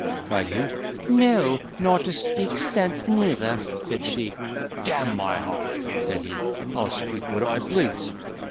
cried he. "No, nor to speak sense neither," said she. "D—n my heart," said he, "I'll speak what I please."